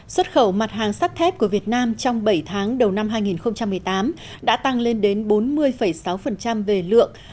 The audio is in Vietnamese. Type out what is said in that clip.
xuất khẩu mặt hàng sắt thép của việt nam trong bảy tháng đầu năm hai nghìn một mươi tám đã tăng lên đến bốn mươi sáu về lượng